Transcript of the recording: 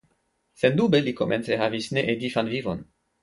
Sendube li komence havis needifan vivon.